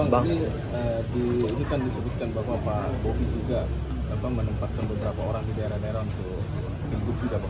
bang ini disebutkan bahwa pak bopi juga menempatkan beberapa orang di daerah daerah untuk